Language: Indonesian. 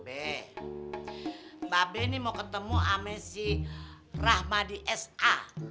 be mbak be ini mau ketemu sama si rahmadi sa